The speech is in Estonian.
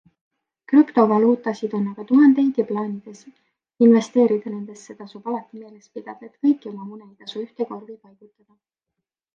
Krüptovaluutasid on aga tuhandeid ja plaanides investeerida nendesse, tasub alati meeles pidada, et kõiki oma mune ei tasu ühte korvi paigutada.